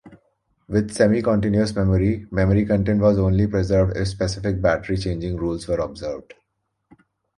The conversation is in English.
With semi-continuous memory memory content was only preserved if specific battery-changing rules were observed.